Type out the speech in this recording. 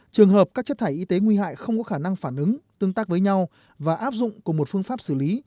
trường hợp các chất thải y tế nguy hại không có khả năng phản ứng tương tác với nhau và áp dụng cùng một phương pháp xử lý